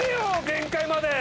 限界まで。